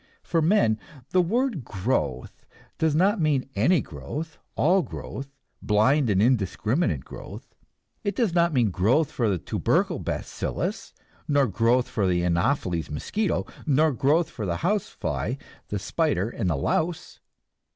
For men, the word "growth" does not mean any growth, all growth, blind and indiscriminate growth. It does not mean growth for the tubercle bacillus, nor growth for the anopheles mosquito, nor growth for the house fly, the spider and the louse.